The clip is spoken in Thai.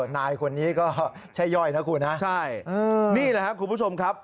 นายคนนี้ก็ใช่ย่อยนะคุณฮะใช่นี่แหละครับคุณผู้ชมครับ